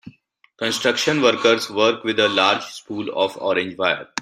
Construction workers work with a large spool of orange wire.